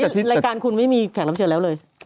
ตอนนี้รายการคุณไม่มีแข่งรับเชือกแล้วเลย